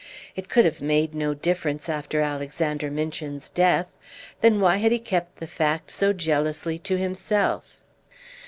It could have made no difference after Alexander Minchin's death; then why had he kept the fact so jealously to himself?